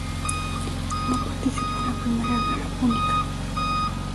No participó en la primera guerra púnica.